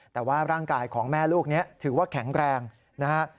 แต่ว่าร่างกายของแม่ลูกนี้ถือว่าแข็งแรงนะฮะ